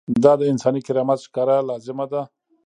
دا د انساني کرامت ښکاره لازمه ده.